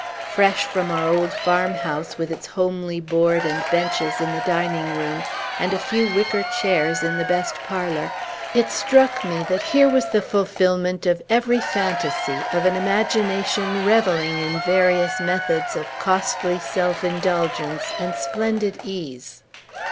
Fresh from our old farmhouse, with its homely board and benches in the dining room, and a few wicker chairs in the best parlor, it struck me that here was the fulfilment of every fantasy of an imagination revelling in various methods of costly self indulgence and splendid ease.